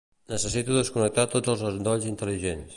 Necessito desconnectar tots els endolls intel·ligents.